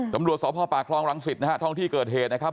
ตำรวจสพปากคลองรังสิตนะฮะท่องที่เกิดเหตุนะครับ